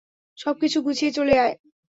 সবকিছু গুছিয়ে চলে আয়।